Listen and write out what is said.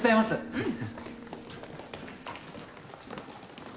うん。